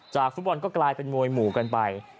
จากฟุตบอลก็กลายเป็นวง่ายหมู่กันไป